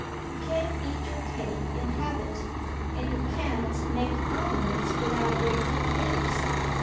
You can't eat your cake and have it, and you can't make omelettes without breaking eggs.